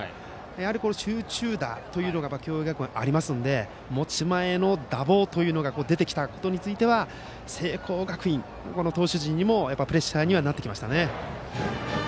やはり集中打というのが共栄学園はありますので持ち前の打力が出てきたのは聖光学院、投手陣にもプレッシャーになってきました。